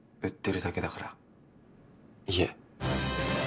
売ってるだけだから家。